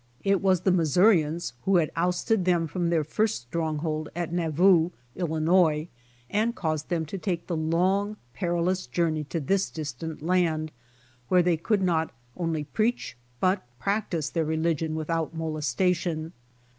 It was the Mis sourians who had ousted them from' their first strong hold in Nauvoo, Illinois, and caused them to take the long perilous journey to this distant land, where they could not only preach but practice their religion with out molestation.